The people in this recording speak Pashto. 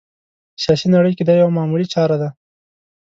سیاسي نړۍ کې دا یوه معموله چاره ده